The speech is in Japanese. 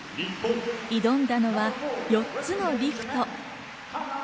挑んだのは４つのリフト。